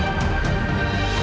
saya juga akan mencintai anda